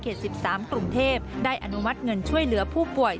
๑๓กรุงเทพได้อนุมัติเงินช่วยเหลือผู้ป่วย